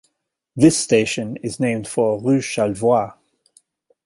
This station is named for rue Charlevoix.